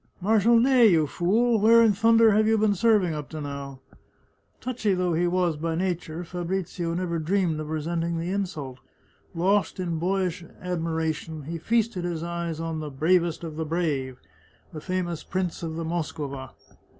" Marshal Ney, you fool ! Where in thunder have you been serving up to now ?" Touchy though he was by nature, Fabrizio never dreamed of resenting the insult. Lost in boyish admiration, he feasted his eyes on the " bravest of the brave," the fa mous Prince of the Moskowa.